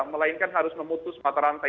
melainkan harus memutus mata rantai